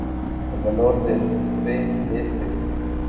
El valor del f.d.p.